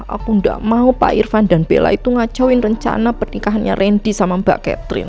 aku nggak mau pak irfan dan bella itu ngacoin rencana pernikahannya randy sama mbak catherine